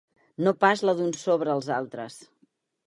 No pas la d’uns sobre els altres.